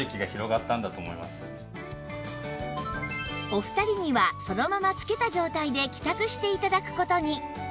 お二人にはそのまま着けた状態で帰宅して頂く事に